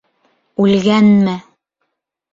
Үлгәнме?